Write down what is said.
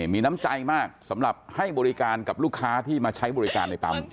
มีน้ำใจมากสำหรับให้บริการกับลูกค้าที่มาใช้บริการในปั๊ม